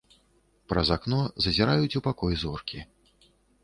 Праз акно зазіраюць у пакой зоркі.